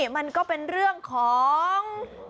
มันก็เป็นเรื่องของ